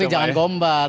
tapi jangan gombal